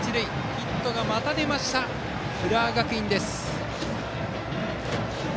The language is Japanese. ヒットがまた出ました浦和学院。